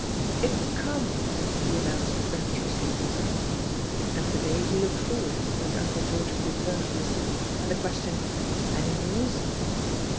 "It's cornel he announced raptiu ously to his aunt. And to day he looked forward to his [Uncle George's return from the City and the question, "Any news?"